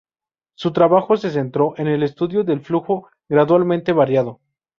Su trabajo se centró en el estudio del flujo gradualmente variado.